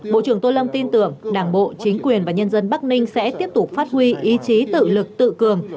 bộ trưởng tô lâm tin tưởng đảng bộ chính quyền và nhân dân bắc ninh sẽ tiếp tục phát huy ý chí tự lực tự cường